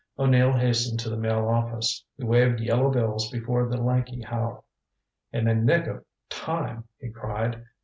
O'Neill hastened to the Mail office. He waved yellow bills before the lanky Howe. "In the nick of time," he cried.